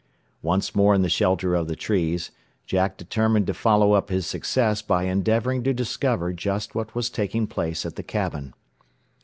Once more in the shelter of the trees, Jack determined to follow up his success by endeavoring to discover just what was taking place at the cabin.